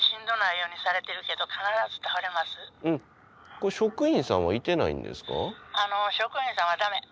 これ職員さんはいてないんですか？